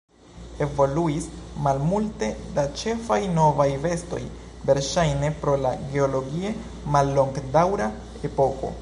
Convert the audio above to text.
Evoluis malmulte da ĉefaj novaj bestoj, verŝajne pro la geologie mallongdaŭra epoko.